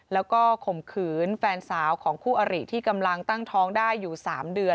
แล้วก็ข่มขืนแฟนสาวของคู่อริที่กำลังตั้งท้องได้อยู่๓เดือน